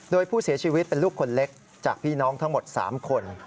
โดยผู้เสียชีวิตเป็นลูกคนเล็กจากพี่น้องทั้งหมด๓คน